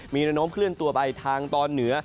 มีระโน้มเคลื่อนตัวไปทางตอนเหนือ